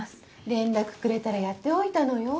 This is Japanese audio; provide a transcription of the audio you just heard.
連絡くれたらやっておいたのよ。